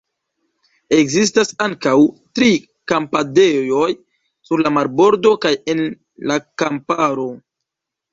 Ekzistas ankaŭ tri kampadejoj – sur la marbordo kaj en la kamparo.